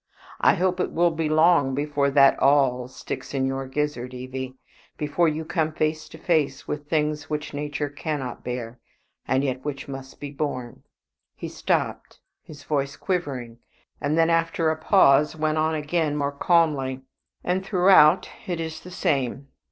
I hope it will be long before that 'all' sticks in your gizzard, Evie, before you come face to face with things which nature cannot bear, and yet which must be borne." He stopped, his voice quivering; and then after a pause went on again more calmly, "And throughout it is the same.